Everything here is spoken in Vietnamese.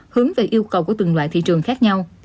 hướng về yêu cầu của từng loại thị trường khác nhau